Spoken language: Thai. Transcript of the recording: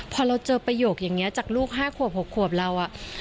พอเราเจอประโยคอย่างนี้จากลูก๕ขวบ๖ขวบเรา